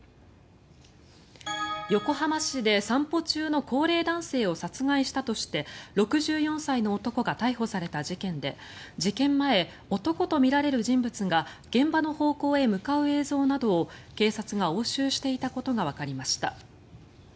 横浜市で、散歩中の高齢男性を殺害したとして６４歳の男が逮捕された事件で事件前、男とみられる人物が現場の方向へ向かう映像などを警察が押収していたことがわかりました。